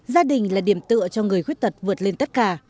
gia đình là điểm tựa cho người khuyết tật vượt lên tất cả